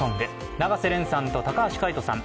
永瀬廉さんと高橋海人さん。